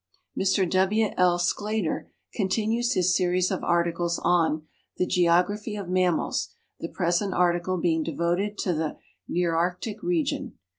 Mr W. L. Sclater continues his series of articles on " The Geog raphy of Mammals," the present article being devoted to the Nearctic region.